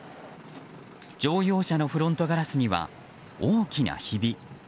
乗用車のフロントガラスには大きなひび。